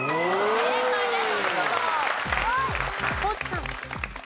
正解です。